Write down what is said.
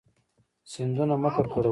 سیندونه مه ککړوئ